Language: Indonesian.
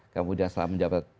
kemudian setelah menjabat